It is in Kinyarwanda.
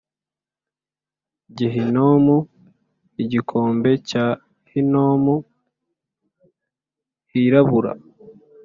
Gehinomu igikombe cya Hinomu kirabura